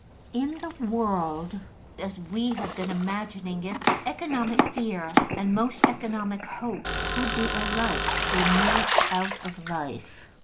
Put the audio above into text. In the world as we have been imagining fit, economic fear and most economic hope will be alike removed out of life.